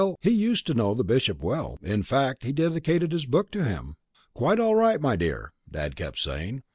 He used to know the Bishop well in fact, he dedicated his book to him. "Quite all right, my dear," Dad kept saying.